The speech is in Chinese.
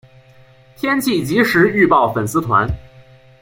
天气即时预报粉丝团